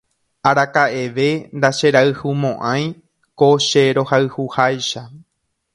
Araka'eve ndacherayhumo'ãi ko che rohayhuháicha